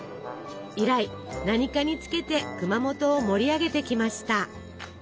以来何かにつけて熊本を盛り上げてきました。